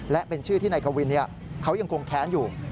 และเป็นชื่อที่นายกวินเขายังคงแค้นอยู่